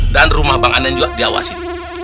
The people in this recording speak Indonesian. dan rumah bang anen juga diawasin